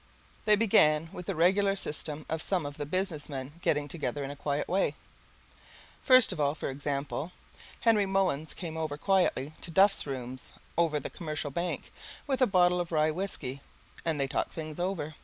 They began with the regular system of some of the business men getting together in a quiet way. First of all, for example, Henry Mullins came over quietly to Duff's rooms, over the Commercial Bank, with a bottle of rye whiskey, and they talked things over.